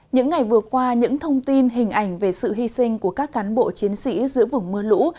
những ngày vừa qua những thông tin hình ảnh về sự hy sinh của các cán bộ chiến sĩ giữa vùng mưa lũ